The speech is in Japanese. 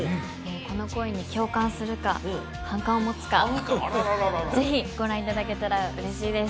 この恋に共感するか反感を持つかぜひご覧いただけたら嬉しいです